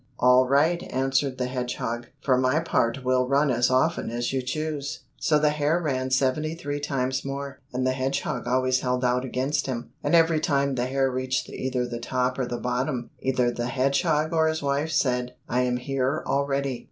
"All right," answered the hedgehog, "for my part we'll run as often as you choose." So the hare ran seventy three times more, and the hedgehog always held out against him, and every time the hare reached either the top or the bottom, either the hedgehog or his wife said, "I am here already."